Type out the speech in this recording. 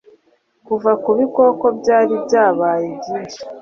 Kuva ku bikoko byari byabaye byinshi